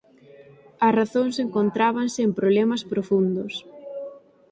As razóns encontrábanse en problemas profundos.